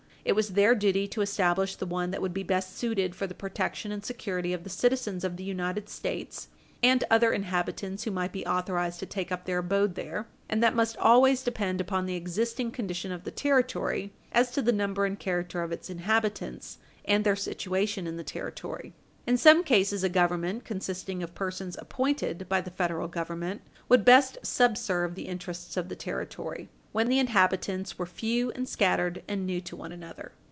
It was their duty to establish the one that would be best suited for the protection and security of the citizens of the United States and other inhabitants who might be authorized to take up their abode there, and that must always depend upon the existing condition of the Territory as to the number and character of its inhabitants and their situation in the Territory. In some cases, a Government consisting of persons appointed by the Federal Government would best subserve the interests of the Territory when the inhabitants were few and scattered, and new to one another.